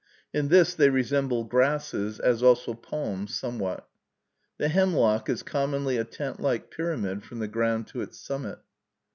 In this they resemble grasses, as also palms somewhat. The hemlock is commonly a tent like pyramid from the ground to its summit.